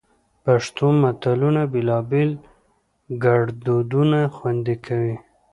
پښتو متلونه بېلابېل ګړدودونه خوندي کوي